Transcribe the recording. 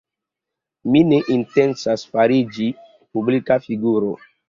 Mi ne intencas fariĝi publika figuro.